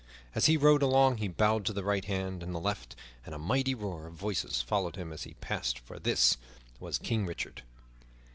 As he rode along he bowed to the right hand and the left, and a mighty roar of voices followed him as he passed; for this was King Richard.